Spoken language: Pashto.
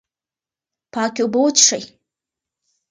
پاکې اوبه وڅښئ.